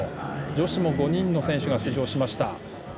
女子も５人の選手が出場しました。